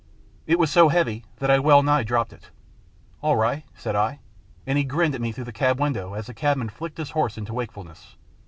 It was so heavy that I well nigh dropped it. " All ri' !" said I, and he grinned at me through the cab window as the cabman flicked his horse into wakefulness.